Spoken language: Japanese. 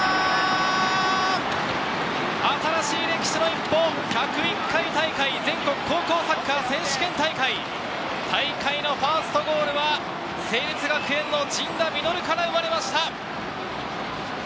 新しい歴史の一歩、１０１回大会全国高校サッカー選手権大会、大会のファーストゴールは成立学園の陣田成琉から生まれました。